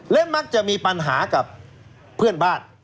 และมักจะมีปัญหากับเพื่อนบ้าน